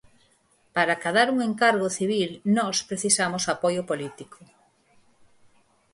Para acadar un encargo civil, nós precisamos apoio político.